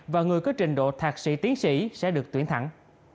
và người có trình độ thạc sĩ tiến sĩ sẽ được tuyển thẳng